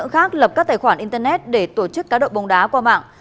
khác lập các tài khoản internet để tổ chức cá độ bóng đá qua mạng